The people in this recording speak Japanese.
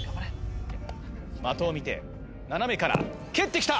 的を見て斜めから蹴ってきた。